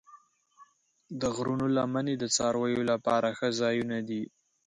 د غرونو لمنې د څارویو لپاره ښه ځایونه دي.